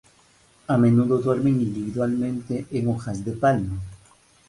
A menudo duermen individualmente en hojas de palma.